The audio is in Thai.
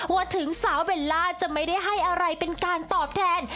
ว่าถึงสาวเบลล่าจะไม่ได้ให้อะไรเป็นการตอบแทน